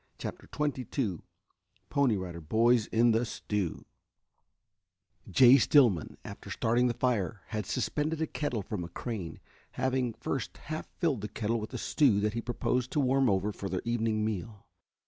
CHAPTER XXII PONY RIDER BOYS IN THE STEW Jay Stillman, after starting the fire, had suspended a kettle from a crane, having first half filled the kettle with a stew that he proposed to warm over for their evening meal.